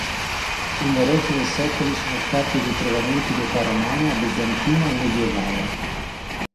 Numerosi nei secoli sono stati i ritrovamenti di età romana, bizantina e medievale.